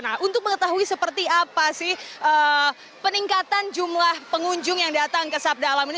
nah untuk mengetahui seperti apa sih peningkatan jumlah pengunjung yang datang ke sabda alam ini